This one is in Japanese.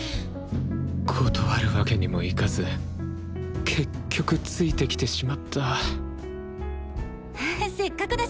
断るわけにもいかず結局ついてきてしまったせっかくだし